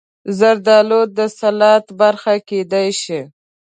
زردالو د سلاد برخه کېدای شي.